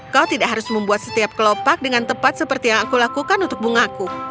kau tidak harus membuat setiap kelopak dengan tepat seperti yang aku lakukan untuk bungaku